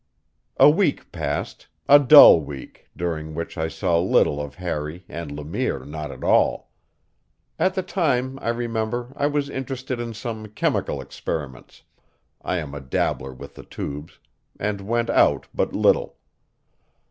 A week passed a dull week, during which I saw little of Harry and Le Mire not at all. At the time, I remember, I was interested in some chemical experiments I am a dabbler with the tubes and went out but little.